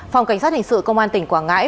phòng cảnh sát hình sự công an tỉnh quảng ngãi